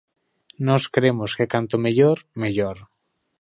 Nós cremos que canto mellor, mellor.